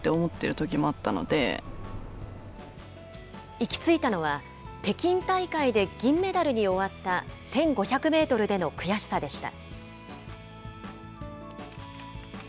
行きついたのは、北京大会で銀メダルに終わった１５００メートルでの悔しさでした。